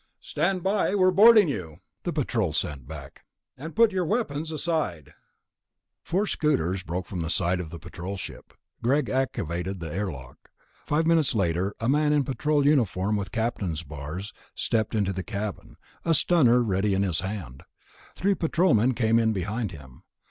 "Stand by, we're boarding you," the Patrol sent back. "And put your weapons aside." Four scooters broke from the side of the Patrol ship. Greg activated the airlock. Five minutes later a man in Patrol uniform with captain's bars stepped into the control cabin, a stunner on ready in his hand. Three Patrolmen came in behind him.